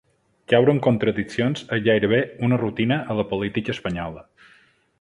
Caure en contradiccions és gairebé una rutina a la política espanyola.